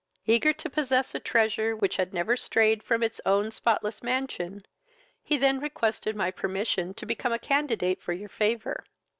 Eager to possess a treasure which had never strayed from its own spotless mansion, he then requested my permission to become a candidate for your favour.